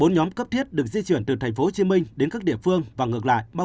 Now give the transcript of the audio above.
bốn nhóm cấp thiết được di chuyển từ tp hcm đến các địa phương và ngược lại bao gồm